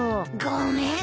ごめん。